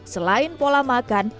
selain pola makan